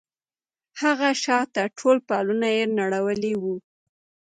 هغه شاته ټول پلونه يې نړولي وو.